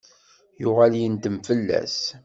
Yuɣal yendem fell-as.